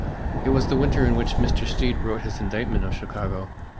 It was the winter in which Mr. Stead wrote his indictment of Chicago.